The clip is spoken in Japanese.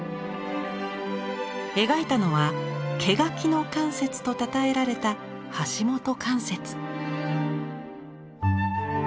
描いたのは「毛描きの関雪」とたたえられた橋本関雪。